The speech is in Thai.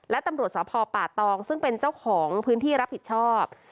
และตำรวจสพป่าตองซึ่งเป็นเจ้าของพื้นที่รับผิดชอบ